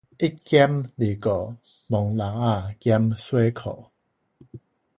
一兼二顧，摸蜊仔兼洗褲